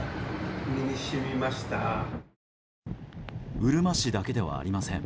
うるま市だけではありません。